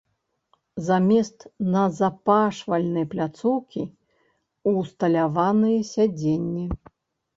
Замест назапашвальнай пляцоўкі ўсталяваныя сядзенні.